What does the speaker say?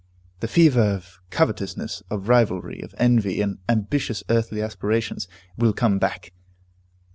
The fever of covetousness, of rivalry, of envy, and ambitious earthly aspirations, will come back.